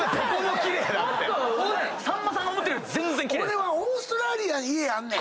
俺はオーストラリアに家あんねん。